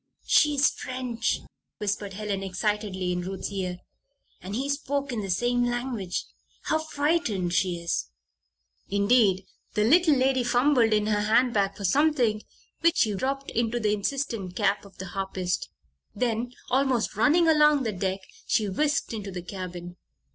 "She is French," whispered Helen, excitedly, in Ruth's ear. "And he spoke in the same language. How frightened she is!" Indeed, the little lady fumbled in her handbag for something which she dropped into the insistent cap of the harpist. Then, almost running along the deck, she whisked into the cabin.